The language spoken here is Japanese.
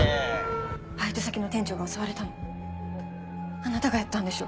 バイト先の店長が襲われたのあなたがやったんでしょ。